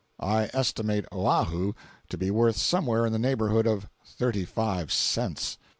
I estimate "Oahu" to be worth somewhere in the neighborhood of thirty five cents.